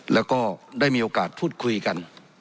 แล้วก็ได้มีโอกาสพูดคุยกัน